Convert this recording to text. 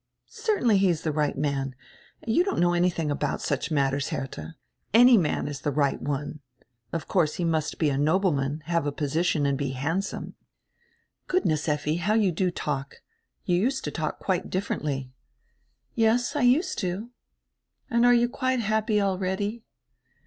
"Certainly he is the right man. You don't know any diing about such matters, Herdia. Any man is die right one. Of course he must be a nobleman, have a position, and be handsome." "Goodness, Effi, how you do talk! You used to talk quite differendy." "Yes, I used to." "And are you quite happy already?"